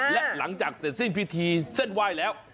และหลังจากเสร็จสิ้นพิธีเส้นไหว้แล้ว